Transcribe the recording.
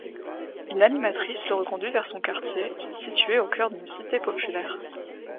Une animatrice le reconduit vers son quartier, situé au cœur d'une cité populaire.